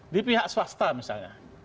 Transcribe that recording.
di pihak swasta misalnya